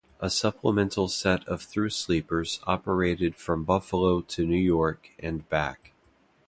A supplemental set of through sleepers operated from Buffalo to New York and back.